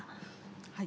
はい。